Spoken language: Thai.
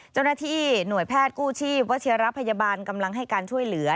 เจ้าหน้าที่หน่วยแพทย์กู้ชีพวัชิระพยาบาลกำลังให้การช่วยเหลือ